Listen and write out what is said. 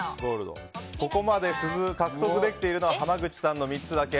ここまで鈴を獲得できているのは濱口さんの３つだけ。